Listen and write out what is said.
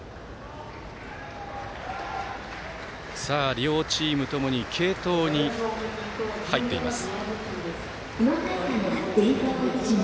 両チームともに継投に入っています。